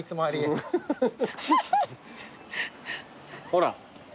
ほら。